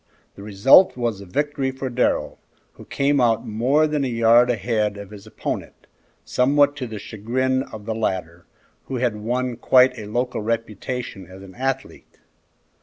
The result was a victory for Darrell, who came out more than a yard ahead of his opponent, somewhat to the chagrin of the latter, who had won quite a local reputation as an athlete.